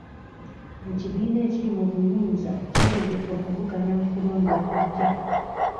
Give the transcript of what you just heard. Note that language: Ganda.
Ekibiina ekiri mu buyinza kyeteefuteefu okuvuganya mu kulonda okujja.